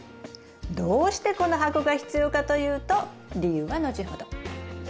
どうしてこの箱が必要かというと理由は後ほど。